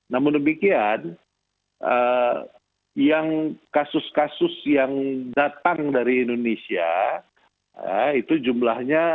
namun demikian yang kasus kasus yang datang dari indonesia itu jumlahnya